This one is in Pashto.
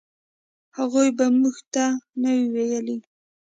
هغوی به موږ ته نه ویلې.